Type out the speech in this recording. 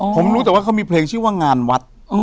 ผมรู้แต่ว่าเขามีเพลงชื่อว่างานวัด